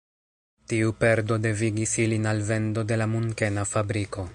Tiu perdo devigis ilin al vendo de la Munkena fabriko.